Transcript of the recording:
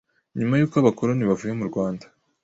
nyuma y’uko Abakoloni bavuye mu Rwanda